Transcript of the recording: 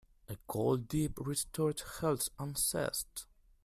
A cold dip restores health and zest.